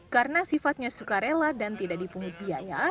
karena sifatnya suka rela dan tidak dipungut biaya